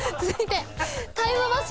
続いて。